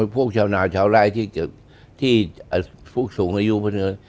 พวกชาวนาชาวไร้ที่สูงอายุพอดี